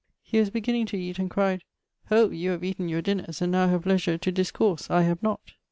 He was beginning to eate, and cryd: 'Hoh! you have eaten your dinners, and now have leasure to discourse; I have not.'